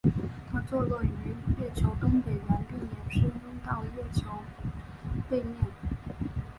它坐落在月球东北缘并延伸到月球背面。